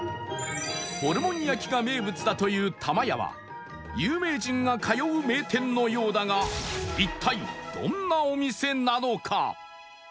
ホルモン焼きが名物だというタマヤは有名人が通う名店のようだが一体どんなお店なのか？